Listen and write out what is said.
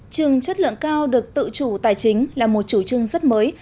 trường chất lượng cao được tự chủ tài chính là một chủ trương rất mới